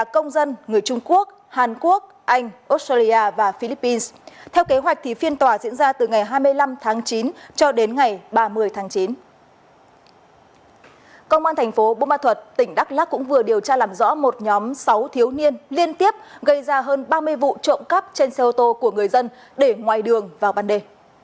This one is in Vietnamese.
công an thành phố buôn ma thuật tỉnh đắk lắc cũng vừa điều tra làm rõ một nhóm sáu thiếu niên liên tiếp gây ra hơn ba mươi vụ trộm cắp trên xe ô tô của người dân để ngoài đường vào ban đề